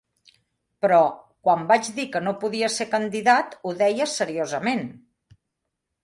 "... però quan vaig dir que no podia ser candidat, ho deia seriosament!".